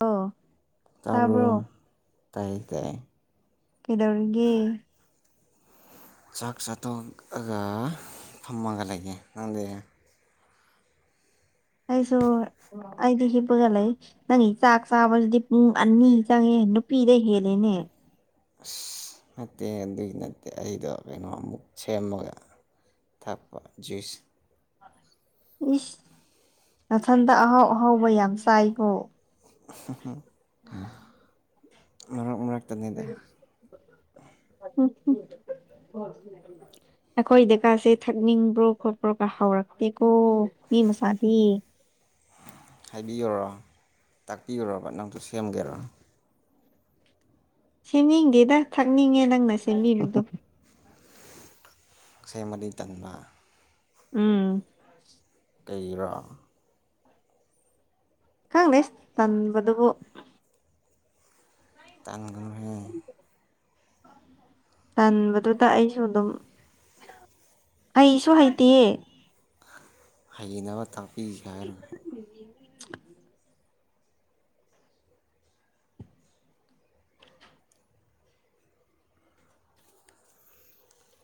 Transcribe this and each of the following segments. ꯑꯣ ꯇꯥꯕ꯭ꯔꯣ ꯇꯥꯏ ꯇꯥꯏ ꯀꯩꯗꯧꯔꯤꯒꯦ ꯆꯥꯛ ꯆꯥꯊꯣꯛꯑꯒ ꯐꯝꯃꯒ ꯂꯩꯒꯦ ꯅꯪꯗꯤ ꯑꯩꯁꯨ ꯑꯩꯗꯤ ꯍꯤꯞꯄꯒ ꯂꯩ ꯅꯪꯒꯤ ꯆꯥꯛ ꯆꯥꯕꯁꯤꯗꯤ ꯄꯨꯡ ꯑꯅꯤ ꯆꯪꯉꯦꯍꯦ ꯅꯨꯄꯤꯗꯩ ꯍꯦꯜꯂꯦꯅꯦ ꯑꯁ ꯅꯠꯇꯦ ꯑꯗꯨꯒꯤ ꯅꯠꯇꯦ ꯑꯩꯗꯣ ꯀꯩꯅꯣꯃꯨꯛ ꯁꯦꯝꯃꯒ ꯊꯛꯄ ꯖꯨꯁ ꯏꯁ ꯃꯊꯟꯗ ꯑꯍꯥꯎ ꯑꯍꯥꯎꯕ ꯌꯥꯝ ꯆꯥꯏꯀꯣ [unintelligible] ꯃꯔꯛ ꯃꯔꯛ [unintelligible] [inaudible] ꯑꯩꯈꯣꯏꯗꯀꯥꯁꯦ ꯊꯛꯅꯤꯡꯕ꯭ꯔꯣ ꯈꯣꯠꯄ꯭ꯔꯣ ꯀ ꯍꯧꯔꯛꯇꯦꯀꯣ ꯃꯤ ꯃꯆꯥꯗꯤ ꯍꯥꯏꯕꯤꯌꯨꯔꯣ ꯇꯥꯛꯄꯤꯌꯨꯔꯣꯕ ꯅꯪꯁꯨ ꯁꯦꯝꯒꯦꯔꯣ ꯁꯦꯝꯅꯤꯡꯗꯦꯗ ꯊꯛꯅꯤꯡꯉꯦ ꯅꯪꯅ ꯁꯦꯝꯕꯤꯕꯗꯣ ꯁꯦꯝꯕꯗꯤ ꯇꯟꯕ꯫ ꯎꯝ ꯀꯩꯒꯤꯔꯥ꯫ ꯈꯪꯗꯦ ꯇꯟꯕꯗꯨꯕꯨ꯫ ꯇꯟꯒꯅꯨꯍꯦ꯫ ꯇꯟꯕꯗꯨꯗ ꯑꯩꯁꯨ ꯗꯨꯝ ꯍꯩꯁꯨ ꯍꯩꯇꯤꯌꯦ꯫ ꯍꯩꯅꯕ ꯇꯥꯛꯄꯤꯒꯦ ꯍꯥꯏꯔ꯫ ꯎꯝ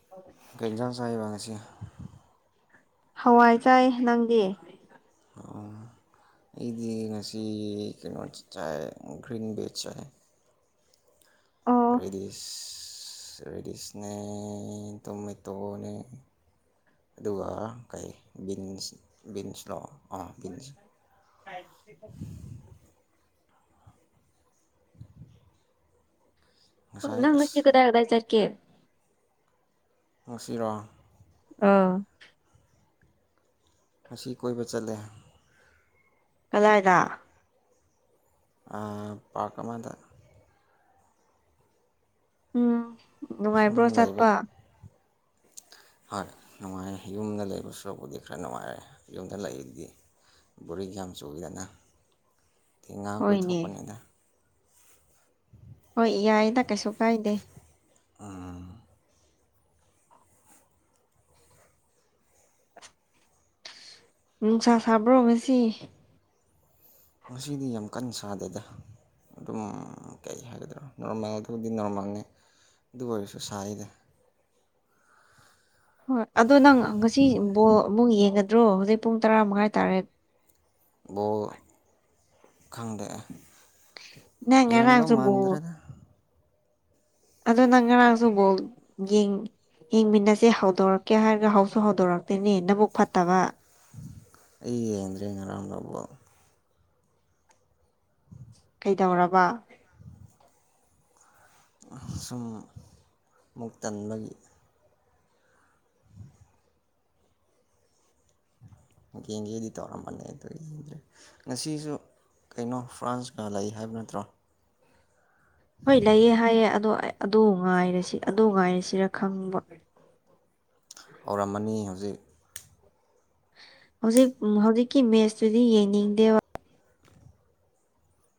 ꯑꯧ ꯀꯩ ꯏꯟꯖꯥꯡ ꯆꯥꯏꯕ ꯉꯁꯤ꯫ ꯍꯋꯥꯏ ꯆꯥꯏ ꯅꯪꯗꯤ꯫ ꯑꯣ ꯑꯩꯗꯤ ꯉꯁꯤ ꯀꯩꯅꯣ ꯆꯥꯏ ꯒ꯭ꯔꯤꯟ ꯕꯦꯖ ꯆꯥꯏ꯫ ꯑꯣ ꯔꯦꯗꯤꯁ ꯔꯦꯗꯤꯁꯅꯦ ꯇꯣꯃꯦꯇꯣꯅꯦ ꯑꯗꯨꯒ ꯀꯩ ꯕꯤꯟꯁ ꯕꯤꯟꯁꯂꯣ ꯑꯥ ꯕꯤꯟꯁ꯫ [inaudible] ꯉꯁꯥꯏ ꯅꯪ ꯉꯁꯤ ꯑꯁ ꯀꯗꯥꯏ ꯀꯗꯥꯏ ꯆꯠꯀꯦ꯫ ꯉꯁꯤꯔꯣ꯫ ꯑꯥ ꯉꯁꯤ ꯀꯣꯏꯕ ꯆꯠꯂꯦ꯫ ꯀꯔꯥꯢꯗ꯫ ꯑ ꯄꯥꯔꯛ ꯑꯃꯗ꯫ ꯎꯝ ꯁꯨꯝ ꯅꯨꯡꯉꯥꯏꯕ꯭ꯔꯣ ꯂꯩꯥꯕ ꯆꯠꯄ ꯍꯣꯏ ꯅꯨꯡꯉꯥꯏꯔꯦ ꯌꯨꯝꯗ ꯂꯩꯕꯁꯨꯨꯔꯕꯨꯗꯤ ꯈꯔ ꯅꯨꯡꯉꯥꯏꯔꯦ ꯌꯨꯝꯗ ꯂꯩꯔꯤꯗꯤ꯫ ꯕꯣꯔꯤꯡ ꯌꯥꯝ ꯆꯨꯏꯗꯅ ꯗꯨꯢ ꯉꯥꯛ ꯍꯣꯏꯅꯦ ꯀꯣꯏꯊꯣꯛꯄꯅꯤꯗ꯫ ꯍꯣꯏ ꯌꯥꯏꯌꯦꯗ ꯀꯩꯁꯨ ꯀꯥꯏꯗꯦ꯫ ꯎꯝ ꯅꯨꯡꯁꯥ ꯁꯥꯕ꯭ꯔꯣ ꯉꯁꯤ꯫ ꯉꯁꯤꯗꯤ ꯌꯥꯝ ꯀꯟ ꯁꯥꯗꯦꯗ꯫ ꯑꯗꯨꯝ ꯀꯩ ꯍꯥꯏꯒꯗ꯭ꯔꯥ ꯅꯣꯔꯃꯦꯜꯗꯨꯕꯨꯗꯤ ꯅꯣꯔꯃꯜꯅꯤ ꯑꯗꯨ ꯑꯣꯏꯔꯁꯨ ꯁꯥꯢꯌꯤꯗ꯫ ꯍꯣꯏ ꯑꯗꯣ ꯅꯪ ꯉꯁꯤ ꯕꯣꯜ ꯑꯃꯨ ꯌꯦꯡꯒꯗ꯭ꯔꯣ ꯍꯧꯖꯤꯛ ꯄꯨꯡ ꯇꯔꯥꯃꯉꯥꯏ ꯇꯥꯔꯦ꯫ ꯕꯣꯜ ꯈꯪꯗꯦ ꯅꯪ ꯌꯦꯡꯗꯧ ꯉꯔꯥꯡꯁꯨ ꯕꯣꯜ ꯃꯥꯟꯗ꯭ꯔꯦꯗ꯫ ꯑꯗꯣ ꯅꯪ ꯉꯔꯥꯡꯁꯨ ꯕꯣꯜ ꯌꯦꯡ ꯌꯦꯡꯃꯤꯟꯅꯁꯦ ꯍꯧꯗꯣꯔꯛꯀꯦ ꯍꯥꯏꯔꯒ ꯍꯧꯁꯨ ꯍꯧꯗꯣꯔꯛꯇꯦꯅꯦ ꯅꯕꯨꯛ ꯐꯠꯇꯕ꯫ ꯑꯩ ꯌꯦꯡꯗ꯭ꯔꯦ ꯉꯔꯥꯡ [unintelligible] ꯕꯣꯜ꯫ ꯗꯧꯔꯕ꯫ ꯁꯨꯝ ꯃꯨꯛ ꯇꯟꯕꯒꯤ꯫ ꯌꯦꯡꯒꯦꯗꯤ ꯇꯧꯔꯝꯕꯅꯦ ꯑꯗꯣ ꯌꯦꯡꯗ꯭ꯔꯦ ꯉꯁꯤꯁꯨ ꯀꯩꯅꯣ ꯐ꯭ꯔꯥꯟꯁꯀ ꯂꯩ ꯍꯥꯏꯕ ꯅꯠꯇ꯭ꯔꯣ꯫ ꯍꯣꯏ ꯂꯩꯑꯦ ꯍꯥꯏꯌꯦ ꯑꯗꯣ ꯑꯦ ꯑꯗꯨ ꯉꯥꯏꯔꯁꯤ ꯑꯗꯨ ꯉꯥꯏꯔꯁꯤꯔ ꯈꯪꯕ꯫ ꯍꯧꯔꯝꯃꯅꯤ ꯍꯧꯖꯤꯛ꯫ ꯍꯧꯖꯤꯛ ꯍꯧꯖꯤꯛꯀꯤ ꯃꯦꯁꯇꯨꯗꯤ ꯌꯦꯡꯅꯤꯡꯗꯦꯕ꯫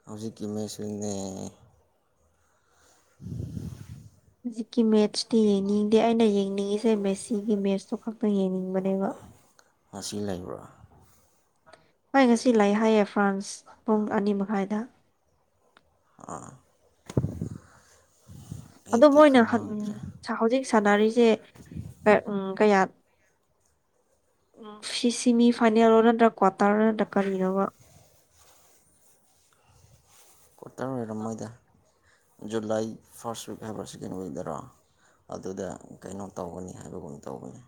ꯍꯧꯛꯀꯤ ꯃꯦꯁꯤꯅꯦ꯫ ꯍꯧꯖꯤꯛꯀꯤ ꯃꯦꯠꯁꯇꯤ ꯌꯦꯡꯅꯤꯡꯗꯦ ꯑꯩꯅ ꯌꯦꯡꯅꯤꯡꯉꯤꯁꯦ ꯃꯦꯁꯤꯒꯤ ꯃꯦꯠꯁꯇꯣ ꯈꯛꯇꯪ ꯌꯦꯡꯅꯤꯡꯕꯅꯦꯕ꯫ ꯉꯁꯤ ꯂꯩꯕ꯭ꯔꯥ ꯍꯣꯏ ꯉꯁꯤ ꯂꯩ ꯍꯥꯏꯌꯦ ꯐ꯭ꯔꯥꯟꯁ ꯄꯨꯡ ꯑꯅꯤ ꯃꯈꯥꯏꯗ ꯑꯥ ꯑꯗꯨ ꯃꯣꯏꯅ ꯍꯥꯟ ꯍꯧꯖꯤꯛ ꯁꯥꯟꯅꯔꯤꯁꯦ ꯎ ꯀꯌꯥ ꯎꯝ ꯐꯤ ꯁꯤꯅꯤ ꯐꯥꯏꯅꯦꯜꯂꯣ ꯅꯠꯇ꯭ꯔ ꯀ꯭ꯋꯥꯇꯔ ꯅꯠꯇ꯭ꯔ ꯀꯔꯤꯅꯣꯕ ꯀ꯭ꯋꯥꯇꯔ ꯑꯣꯏꯔꯝꯃꯣꯏꯗ ꯖꯨꯂꯥꯏ ꯐꯥꯔꯁꯠ ꯋꯤꯛ ꯍꯥꯏꯕꯔ ꯁꯦꯀꯦꯟ ꯋꯤꯛꯗꯔꯣ ꯑꯗꯨꯗ ꯀꯩꯅꯣ ꯇꯧꯒꯅꯤ ꯍꯥꯏꯕꯒꯨꯝ ꯇꯧꯕꯅꯤ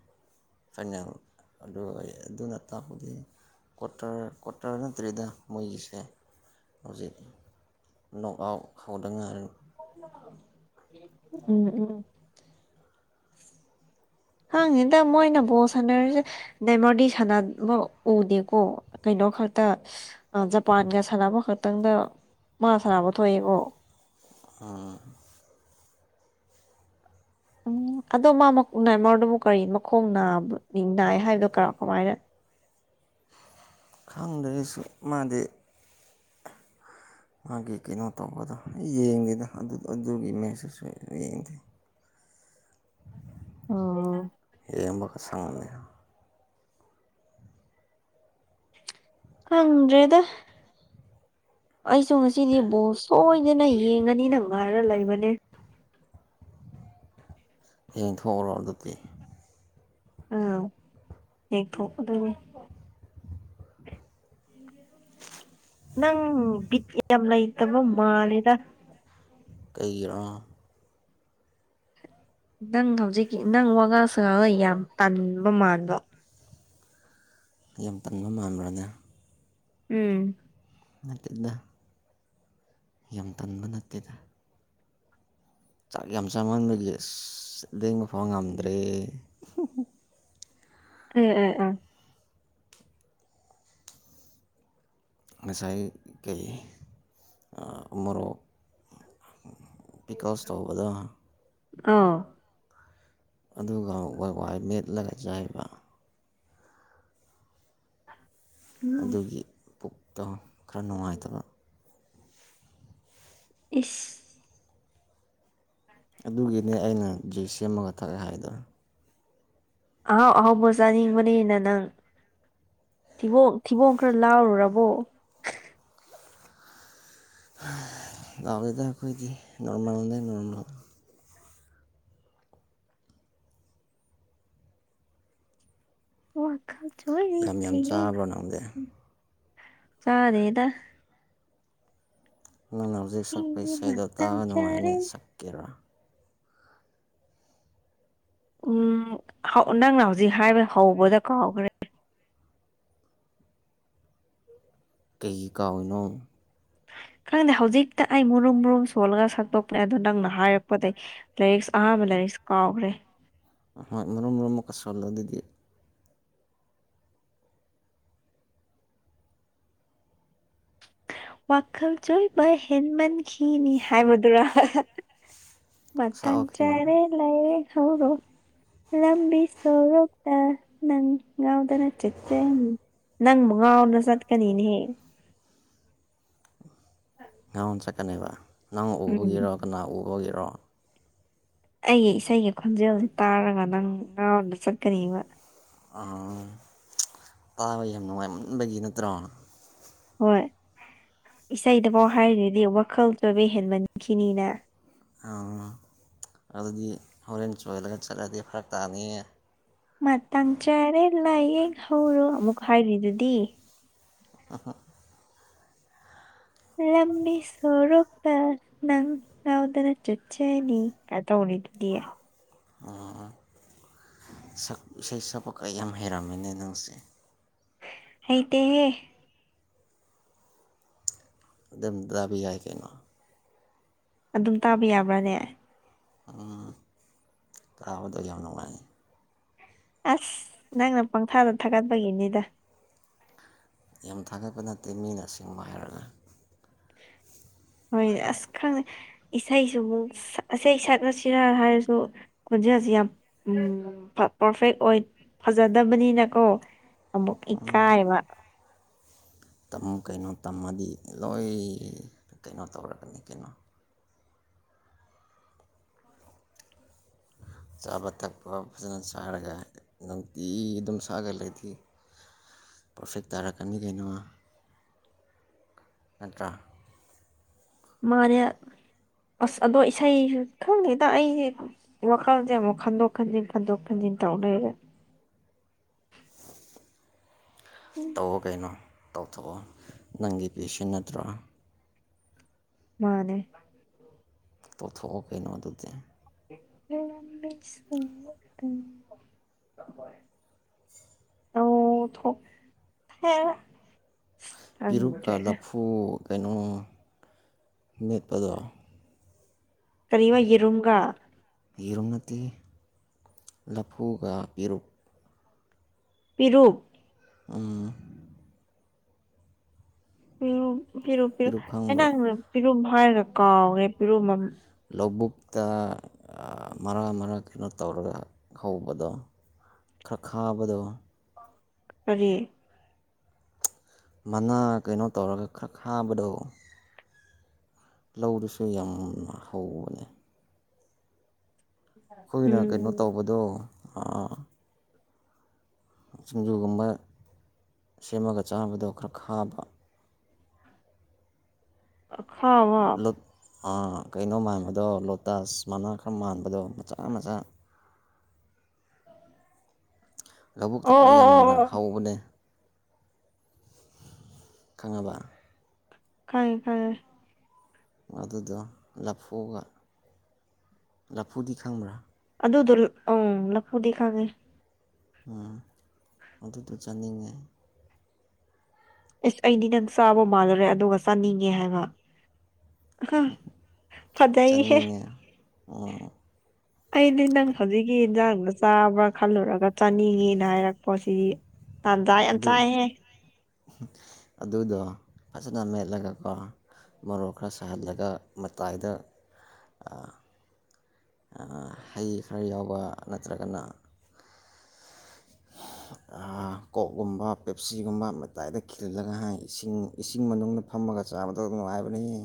ꯐꯥꯏꯅꯥꯜ ꯑꯗꯨ ꯑꯗꯨꯅ ꯇꯥꯛꯄꯗꯤ ꯀ꯭ꯋꯣꯔꯇꯔ ꯀ꯭ꯋꯣꯔꯇꯔ ꯅꯠꯇꯔꯤꯗ ꯃꯣꯏꯒꯤꯁꯦ ꯍꯧꯖꯤꯛ ꯅꯣꯛꯑꯥꯎꯠ ꯍꯧꯗꯥ ꯉꯥꯏꯔꯤ ꯎꯝ ꯎꯝ ꯈꯉꯗꯦꯗꯥ ꯃꯣꯏꯅ ꯕꯣꯁ ꯁꯥꯟꯅꯔꯤꯁꯦ ꯅꯦꯃꯔꯗꯤ ꯁꯅꯥ ꯕ ꯎꯗꯦꯀꯣ ꯀꯩꯅꯣ ꯈꯛꯇ ꯑꯥ ꯖꯄꯥꯟꯒ ꯁꯥꯟꯅꯕ ꯈꯛꯇꯪꯗ ꯃꯥ ꯁꯥꯟꯅꯕ ꯊꯣꯛꯑꯦꯀꯣ ꯑꯥ ꯎꯝ ꯑꯗꯣ ꯃꯥ ꯃꯛ ꯅꯦꯃꯔꯗꯨꯕꯨ ꯀꯔꯤ ꯃꯈꯣꯡ ꯅꯥꯕ ꯝ ꯅꯥꯏ ꯍꯥꯏꯕꯗꯣ ꯀ ꯀꯃꯥꯏꯅ ꯈꯪꯗꯔꯦ ꯑꯩꯁꯨ ꯃꯥꯗꯤ ꯃꯥꯒꯤ ꯀꯩꯅꯣ ꯇꯧꯕꯗꯣ ꯌꯦꯡꯗꯦꯗ ꯑꯗꯨ ꯑꯗꯨꯒꯤ ꯃꯦꯆꯁꯨ ꯌꯦꯡꯗꯦ ꯑꯣ ꯌꯦꯕꯒ ꯁꯥꯡꯅꯦ ꯈꯪꯗ꯭ꯔꯦꯗ ꯑꯩꯁꯨ ꯉꯁꯤꯗꯤ ꯕꯜ ꯁꯣꯏꯗꯅ ꯌꯦꯡꯉꯅꯤꯅ ꯉꯥꯏꯔ ꯂꯩꯕꯅꯦ ꯌꯦꯡꯊꯣꯛꯎꯔꯣ ꯑꯗꯨꯗꯤ ꯑꯥ ꯌꯦꯡꯊꯣꯛ ꯑꯗꯣꯏꯅꯤ ꯅꯪ ꯕꯤꯠ ꯌꯥꯝ ꯂꯩꯇꯕ ꯃꯥꯜꯂꯦꯗ ꯀꯩꯒꯤꯔꯣ ꯅꯪ ꯍꯧꯖꯤꯛꯀꯤ ꯅꯪ ꯋꯥꯉꯪ ꯁꯥꯉꯥꯪ ꯗꯣ ꯌꯥꯝ ꯇꯥꯟꯕ ꯃꯥꯟꯕ ꯌꯥꯝ ꯇꯟꯕ ꯃꯥꯟꯕ꯭ꯔꯅꯦ ꯎꯝ ꯅꯥꯇꯦꯗ ꯌꯥꯝ ꯇꯟꯕꯥ ꯅꯇꯦꯗꯥ ꯆꯥꯛ ꯌꯥꯝ ꯆꯃꯟꯕꯒꯤ ꯑꯁ ꯂꯦꯡꯕ ꯐꯥꯎ ꯉꯝꯗ꯭ꯔꯦ ꯎꯝ ꯎ ꯎꯝ ꯉꯁꯥꯏ ꯀꯩ ꯑꯥ ꯃꯣꯔꯣꯛ ꯕꯤꯀꯣꯁ ꯇꯧꯕꯗꯣ ꯑꯣ ꯑꯗꯨꯒ ꯋꯥꯏ ꯋꯥꯏ ꯃꯦꯠꯂꯒ ꯆꯥꯏꯕ ꯑꯗꯨꯒꯤ ꯄꯨꯛꯇꯣ ꯈꯔ ꯅꯨꯡꯉꯥꯏꯇꯕ ꯏꯁ ꯑꯗꯨꯒꯤꯅꯦ ꯑꯩꯅ ꯖꯨꯏ ꯁꯦꯝꯃꯒ ꯊꯛꯑꯦ ꯍꯥꯏꯗꯣ ꯑꯍꯥꯎ ꯑꯍꯥꯎꯕ ꯆꯥꯅꯤꯡꯕꯅꯤꯅ ꯅꯪ ꯊꯤꯕꯣꯛ ꯊꯏ ꯊꯤꯕꯣꯡ ꯈꯔ ꯂꯥꯎꯔꯨꯔꯕꯣ ꯂꯥꯑꯣꯗꯦꯗꯥ ꯑꯩꯈꯣꯏꯗꯤ ꯅꯣꯔꯃꯦꯜ ꯅꯦ ꯅꯣꯔꯃꯜ ꯋꯥ ꯈꯥꯟ ꯆꯣꯏꯔꯦ ꯌꯥꯝ ꯌꯥꯝ ꯇꯦꯟ ꯆꯥꯕ꯭ꯔꯣ ꯅꯪꯗꯤ ꯆꯥꯗꯦꯗ ꯅꯪꯅ ꯍꯧꯖꯤꯛ ꯁꯛꯄ ꯏꯒꯤ ꯏꯁꯩꯗꯣ ꯃꯇꯝ ꯇꯥꯕ ꯆꯥꯔꯦ ꯅꯨꯡꯉꯥꯏꯅꯦ ꯁꯛꯀꯦꯔꯥ ꯎꯝ ꯍꯧ ꯅꯪꯅ ꯍꯧꯖꯤꯛ ꯍꯥꯏꯕ ꯍꯧꯕꯗ ꯀꯥꯎꯈ꯭ꯔꯦ ꯀꯩꯒꯤ ꯀꯥꯎꯔꯤꯅꯣ ꯈꯪꯗꯦ ꯍꯧꯖꯤꯛꯇꯥ ꯑꯩ ꯃꯨꯔꯨꯝ ꯃꯨꯔꯨꯝ ꯁꯣꯜꯂꯥꯒ ꯁꯛꯇꯣꯛꯄꯥꯅꯦ ꯑꯗꯨ ꯅꯪꯅꯥ ꯍꯥꯏꯔꯛꯄꯥꯗꯩ ꯂꯥꯏꯔꯤꯛꯁꯨ ꯑꯍꯥꯟꯕ ꯂꯥꯏꯔꯤꯛꯁꯨ ꯀꯥꯎꯈ꯭ꯔꯦ ꯅꯍꯥꯟ ꯃꯔꯨꯝ ꯃꯔꯨꯝ ꯑꯃꯨꯛꯀꯥ ꯁꯣꯜꯂꯨ ꯑꯗꯨꯗꯤ ꯋꯥꯈꯜ ꯆꯣꯏꯕꯥ ꯍꯦꯟꯃꯟꯈꯤꯅꯤ ꯍꯥꯏꯕꯗꯨꯔꯥ ꯃꯇꯥꯡ ꯁꯛꯑꯣ ꯀꯩꯅꯣ ꯆꯥꯔꯦ ꯂꯥꯌꯦꯡ ꯍꯧꯔꯣ ꯂꯝꯕꯤ ꯁꯣꯔꯣꯛꯇꯥ ꯅꯪ ꯉꯥꯎꯗꯥꯅ ꯆꯠꯆꯥꯅꯤ ꯅꯪꯕꯨ ꯉꯥꯎꯗꯥꯅ ꯆꯠꯀꯥꯅꯤꯅꯦꯍꯦ ꯉꯥꯎꯅ ꯆꯠꯀꯥꯅꯦꯕꯥ ꯅꯪ ꯎꯝ ꯎꯕꯒꯤꯔꯣ ꯀꯅꯥ ꯎꯕꯥꯒꯤꯔꯣ ꯑꯩꯒꯤ ꯏꯁꯩꯒꯤ ꯈꯣꯟꯖꯦꯜꯁꯤ ꯇꯥꯔꯥꯒ ꯅꯪ ꯉꯥꯎꯅꯥ ꯆꯠꯀꯥꯅꯤꯕꯥ ꯑꯥ ꯇꯥꯕꯥ ꯌꯥꯝ ꯅꯨꯡꯉꯥꯏꯃꯟꯕꯥꯒꯤ ꯅꯠꯇ꯭ꯔꯣ ꯍꯣꯏ ꯏꯁꯩꯗꯥꯐꯥꯎ ꯍꯥꯏꯔꯤꯗꯤ ꯋꯥꯈꯜ ꯆꯣꯏꯕꯥ ꯍꯦꯟꯃꯟꯈꯤꯅꯤꯅꯥ ꯑꯥ ꯑꯗꯨꯗꯤ ꯍꯣꯔꯦꯟ ꯆꯣꯏꯍꯟꯂꯥꯒ ꯆꯠꯂꯗꯤ ꯐꯥꯔꯛ ꯇꯥꯅꯤꯍꯦ ꯃꯇꯥꯡ ꯆꯥꯔꯦ ꯂꯥꯏꯌꯦꯡ ꯍꯧꯔꯣ ꯑꯃꯨꯛꯀꯥ ꯍꯥꯏꯔꯤꯗꯨꯗꯤ [unintelligible] ꯂꯝꯕꯤ ꯁꯣꯔꯣꯛꯇꯥ ꯅꯪ ꯉꯥꯎꯗꯥꯅ ꯆꯠ ꯆꯥꯅꯤ ꯀꯥ ꯇꯧꯔꯤꯗꯨꯗꯤ ꯑꯥ ꯁꯛ ꯏꯁꯩ ꯁꯛꯄꯥꯀꯥ ꯌꯥꯝ ꯍꯩꯔꯝꯃꯦꯅꯦ ꯅꯪꯁꯦ ꯍꯩꯇꯦꯍꯦ ꯑꯗꯨꯝ ꯇꯥꯕ ꯌꯥꯏ ꯀꯩꯅꯣ ꯑꯗꯨꯝ ꯇꯥꯕꯥ ꯌꯥꯕ꯭ꯔꯥꯅꯦ ꯎꯝ ꯇꯥꯕꯥꯗꯥ ꯌꯥꯝ ꯅꯨꯡꯉꯥꯏꯌꯦ ꯑꯁ ꯅꯪꯅꯥ ꯄꯪꯊꯥꯗꯥ ꯊꯥꯒꯠꯄꯥꯒꯤꯅꯤꯗꯥ ꯌꯥꯝ ꯊꯥꯒꯠꯄꯥ ꯅꯠꯇꯦ ꯃꯤꯅꯥ ꯑꯥꯁꯦꯡꯕꯥ ꯍꯥꯏꯔꯥꯒꯥ ꯍꯣꯏ ꯑꯁ ꯈꯪꯗꯦ ꯏꯁꯩꯁꯨ ꯁꯛ ꯏꯁꯩ ꯁꯛꯔꯥꯁꯤꯔꯥ ꯍꯥꯏꯔꯥꯁꯨ ꯈꯣꯟꯖꯦꯜꯁꯤ ꯌꯥꯝ ꯄ꯭ꯔꯐꯦꯛ ꯑꯣꯏ ꯐꯥꯖꯥꯗꯥꯕꯅꯤꯅꯥꯀꯣ ꯑꯃꯨꯛ ꯏꯀꯥꯏꯕꯥ ꯇꯝꯃꯨ ꯀꯩꯅꯣ ꯇꯝꯃꯥꯗꯤ ꯂꯣꯏ ꯀꯩꯅꯣ ꯇꯧꯔꯛꯀꯥꯅꯤ ꯀꯩꯅꯣ ꯆꯥꯕꯥ ꯊꯛꯄꯥ ꯐꯥꯖꯥꯅ ꯆꯥꯔꯒꯥ ꯅꯨꯡꯇꯤ ꯑꯗꯨꯝ ꯁꯥꯑꯥꯒꯥ ꯂꯩꯗꯤ ꯄ꯭ꯔꯐꯦꯛ ꯇꯥꯔꯛꯀꯥꯅꯤ ꯀꯩꯅꯣ ꯅꯠꯇ꯭ꯔ ꯃꯥꯅꯦ ꯑꯁ ꯑꯗꯣ ꯏꯁꯩꯁꯨ ꯈꯪꯗꯦꯗꯥ ꯑꯩꯁꯤ ꯗꯨꯝ ꯋꯥꯈꯜꯁꯦ ꯑꯃꯨꯛ ꯈꯟꯗꯣꯛ ꯈꯟꯖꯤꯟ ꯈꯟꯗꯣꯛ ꯈꯟꯖꯤꯟ ꯇꯧ ꯂꯩꯔꯦ ꯎꯝ ꯇꯧꯑꯣ ꯀꯩꯅꯣ ꯇꯧꯊꯣꯛꯑꯣ ꯅꯪꯒꯤ ꯄꯨꯟꯁꯤ ꯅꯠꯇ꯭ꯔꯣ ꯃꯥꯅꯦ ꯇꯧꯊꯣꯛꯑꯣ ꯀꯩꯅꯣ ꯑꯗꯨꯗꯤ [inaudible] [unintelligible] ꯇꯧꯊꯣꯛ [unintelligible] ꯄꯦꯔꯨꯛꯀꯥ ꯂꯥꯐꯨ ꯀꯩꯅꯣ ꯃꯦꯠꯄꯥꯗꯣ ꯀꯔꯤꯕꯥ ꯌꯦꯔꯨꯝꯒꯥ ꯌꯦꯔꯨꯝ ꯅꯠꯇꯦꯍꯦ ꯂꯥꯐꯨꯒꯥ ꯄꯦꯔꯨꯛ ꯄꯦꯔꯨꯛ ꯎꯝ꯫ ꯄꯤꯔꯨꯛ ꯄꯤꯔꯨꯛ ꯄꯦꯔꯨꯛ ꯑ ꯈꯪꯕ꯭ꯔꯣ ꯅꯪ ꯄꯤꯔꯨꯝ ꯍꯥꯏꯔꯒ ꯀꯥꯎꯔꯦ ꯄꯤꯔꯨꯝ ꯑꯃ ꯂꯧꯕꯨꯛꯇ ꯃꯔꯥ ꯃꯔꯥ ꯀꯩꯅꯣ ꯇꯧꯔꯒ ꯍꯧꯕꯗꯣ꯫ ꯈꯔ ꯈꯥꯕꯗꯣ ꯀꯔꯤ ꯃꯅꯥ ꯀꯩꯅꯣ ꯇꯧꯔꯒ ꯈ ꯈꯥꯕꯗꯣ ꯂꯧꯗꯨꯁꯨ ꯌꯥꯝꯅ ꯍꯧꯕꯅꯦ ꯈꯣꯏꯅꯒꯤꯅ ꯀꯩꯅꯣ ꯎꯝ ꯇꯧꯕꯗꯣ ꯁꯤꯡꯖꯨꯒꯨꯝꯕ ꯁꯦꯝꯃꯒ ꯆꯥꯕꯗꯣ ꯈꯔ ꯈꯥꯕ ꯑꯈꯥꯕ ꯀꯩꯅꯣ ꯃꯥꯟꯕꯗꯣ ꯂꯣꯇꯥꯁ ꯃꯅꯥ ꯈꯔ ꯃꯥꯟꯕꯗꯣ ꯃꯆꯥ ꯃꯆꯥ ꯂꯧꯕꯨꯛꯇ ꯑꯣ ꯀꯥ ꯑꯣ ꯑꯣ ꯌꯥꯝꯅ ꯑꯣ ꯍꯧꯕꯅꯦ ꯈꯪꯉꯕ ꯈꯪꯉꯦ ꯈꯪꯉꯦ ꯑꯗꯨꯗꯣ ꯂꯐꯨꯒ ꯂꯐꯨꯗꯤ ꯈꯪꯕ꯭ꯔꯥ ꯑꯗꯨꯗꯣ ꯑꯪ ꯂꯐꯨꯗꯤ ꯈꯪꯉꯦ ꯎꯝ ꯑꯗꯨꯗꯣ ꯆꯅꯤꯡꯉꯦ ꯑꯁ ꯑꯩꯗꯤ ꯅꯪ ꯆꯥꯕ ꯃꯥꯜꯂꯨꯔꯦ ꯑꯗꯨꯒ ꯆꯥꯅꯤꯡꯉꯦ ꯍꯥꯏꯕ ꯈꯪ ꯐꯗꯩ ꯍꯦ ꯆꯥꯅꯤꯡꯉꯦ ꯑꯩꯗꯤ ꯅꯪ ꯍꯧꯖꯤꯛꯀꯤ ꯏꯟꯖꯥꯡꯗꯣ ꯆꯥꯕ꯭ꯔꯥ ꯈꯜꯂꯨꯔꯒ ꯆꯥꯅꯤꯡꯉꯦꯅ ꯍꯥꯏꯔꯛꯄ ꯁꯤꯗꯤ ꯇꯥꯟꯖꯥ ꯌꯥꯝ ꯑꯗꯨ ꯆꯥꯏ ꯍꯦ ꯑꯗꯨꯗꯣ ꯐꯖꯅ ꯃꯦꯠꯂꯒꯀꯣ ꯃꯔꯣꯛ ꯈꯔ ꯁꯥꯍꯜꯂꯒ ꯃꯇꯥꯏꯗ ꯍꯩ ꯈꯔ ꯌꯥꯎꯕ ꯅꯠꯇ꯭ꯔꯒꯅ ꯀꯣꯛꯒꯨꯝꯕ ꯄꯦꯞꯁꯤꯒꯨꯝꯕ ꯃꯇꯥꯏꯗ ꯈꯤꯜꯂꯒ ꯍꯥꯏ ꯏꯁꯤꯡ ꯏꯁꯤꯡ ꯃꯅꯨꯡꯗ ꯐꯝꯃꯒ ꯆꯥꯕꯗꯣ ꯅꯨꯡꯉꯥꯏꯕꯅꯤꯍꯦ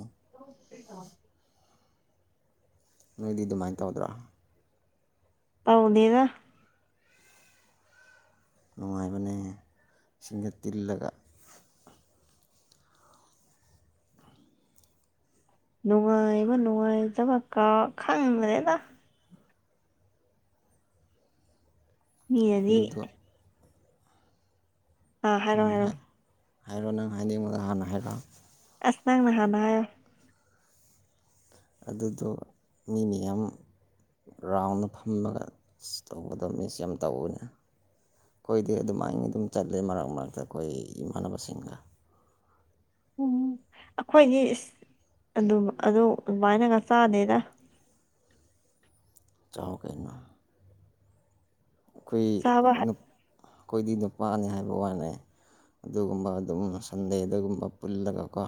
[inaudible] ꯅꯣꯏꯗꯤ ꯗꯨꯃꯥꯏꯅ ꯇꯧꯗ꯭ꯔꯥ ꯄꯥꯎꯗꯦꯗ ꯅꯨꯡꯉꯥꯏꯕꯅꯦ ꯁꯤꯡꯗ ꯇꯤꯜꯂꯒ ꯅꯨꯡꯉꯥꯏꯕ ꯅꯨꯡꯉꯥꯏꯇꯕ ꯀꯥꯎ ꯈꯪꯗꯔꯦꯗ ꯃꯤꯅꯗꯤ ꯑꯗꯨꯗꯣ ꯑꯥ ꯍꯥꯏꯔꯣ ꯎꯝ ꯍꯥꯏꯔꯣ ꯍꯥꯏ ꯍꯥꯏꯔꯣ ꯅꯪ ꯍꯥꯏꯅꯤꯡꯕꯗꯣ ꯍꯥꯟꯅ ꯍꯥꯏꯔꯣ ꯑꯁ ꯅꯪꯅ ꯍꯥꯟꯅ ꯍꯥꯏꯌꯣ ꯑꯗꯨꯗꯣ ꯃꯤꯅꯤ ꯌꯥꯝ ꯔꯥꯎꯟꯗ ꯐꯝꯃꯒ ꯇꯧꯕꯒꯗꯝꯅꯤ ꯃꯤꯁꯦ ꯌꯥꯝ ꯇꯧꯕꯅꯦ ꯈꯣꯏꯗꯤ ꯑꯗꯨꯃꯥꯏꯅ ꯑꯗꯨꯝ ꯆꯠꯂꯦ ꯃꯔꯛ ꯃꯔꯛꯇ ꯈꯣꯏ ꯏꯃꯥꯟꯅꯕꯁꯤꯡꯒ ꯎꯝ ꯑꯈꯣꯏꯗꯤ ꯏꯁ ꯑꯗꯨꯝ ꯑꯗꯨ ꯑꯗꯨꯃꯥꯏꯅꯒ ꯆꯥꯗꯦꯗ ꯆꯥꯎ ꯀꯩꯅꯣ ꯈꯣꯏ ꯆꯥꯕ ꯍ ꯈꯣꯏꯗꯤ ꯅꯨꯄꯥꯅꯦ ꯍꯥꯏꯕ ꯋꯥꯅꯦ ꯑꯗꯨꯒꯨꯝꯕ ꯑꯗꯨꯝ ꯁꯟꯗꯦꯗ ꯒꯨꯝꯕ ꯄꯨꯜꯂꯒꯀꯣ